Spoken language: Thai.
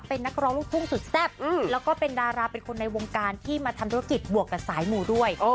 เป็นนักร้องลูกทุ่งสุดแซ่บแล้วก็เป็นดาราเป็นคนในวงการที่มาทำธุรกิจบวกกับสายหมู่ด้วย